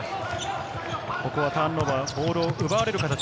ここはターンオーバー、ボールを奪われる形。